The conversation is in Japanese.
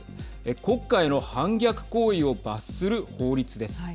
国家への反逆を罰する法律です。